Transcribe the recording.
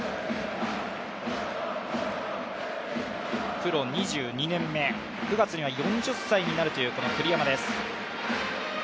プロ２２年目、９月には４０歳になるという栗山です。